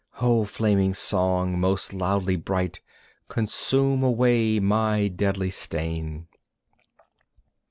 O flaming Song, most loudly bright, Consume away my deadly stain!